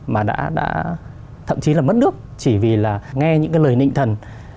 mà đã thậm chí là mất nước chỉ vì là nghe những cái lời nịnh thần